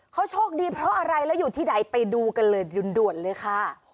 เขาโชคดีเพราะอะไรแล้วอยู่ที่ไหนไปดูกันเลยด่วนเลยค่ะ